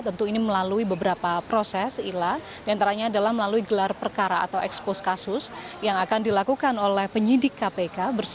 tentu ini melalui beberapa proses ila diantaranya adalah melalui gelar perkara atau ekspos kasus yang akan dilakukan oleh penyidik kpk